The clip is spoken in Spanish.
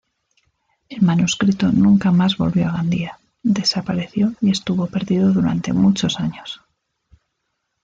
El manuscrito nunca más volvió a Gandía, desapareció y estuvo perdido durante muchos años.